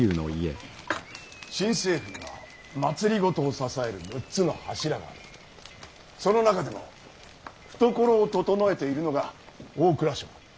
新政府には政を支える６つの柱がありその中でも懐をととのえているのが大蔵省だ。